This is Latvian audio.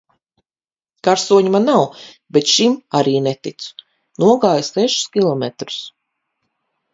Karsoņa man nav, bet šim arī neticu. Nogāju sešus kilometrus.